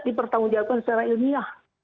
dipertanggungjawabkan secara ilmiah